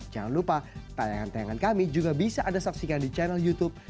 jangan lupa tayangan tayangan kami juga bisa anda saksikan di channel youtube